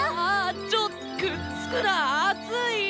ちょくっつくなーあつい！